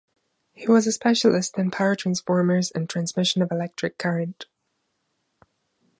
He was a specialist in power transformers and transmission of electric current.